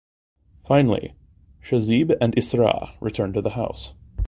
Finally Shahzaib and Isra return to the house.